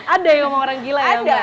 ada yang ngomong orang gila ya mbak